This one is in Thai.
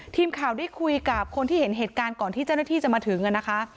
ทีมข่าวได้คุยกับคนที่เห็นเหตุการณ์ก่อนที่เจ้าหน้าที่จะมาถึงนะคะ